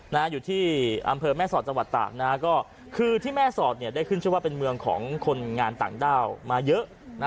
อยู่ที่อำเภอแม่สอดจังหวัดตากนะฮะก็คือที่แม่สอดเนี่ยได้ขึ้นชื่อว่าเป็นเมืองของคนงานต่างด้าวมาเยอะ